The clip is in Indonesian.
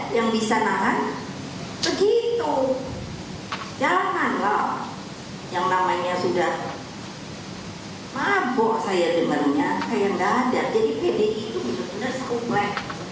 yang bisa menangani begitu janganlah yang namanya sudah mabok saya demarnya saya yang tidak ada jadi pdi itu benar benar skuplek